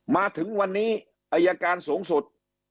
มาถึงวันนี้อายการสูงสุด